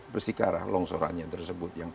pasti ke arah longsorannya tersebut